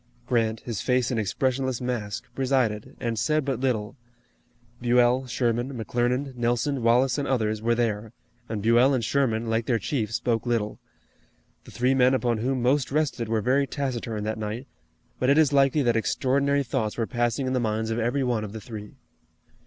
Grant, his face an expressionless mask, presided, and said but little. Buell, Sherman, McClernand, Nelson, Wallace and others, were there, and Buell and Sherman, like their chief, spoke little. The three men upon whom most rested were very taciturn that night, but it is likely that extraordinary thoughts were passing in the minds of every one of the three.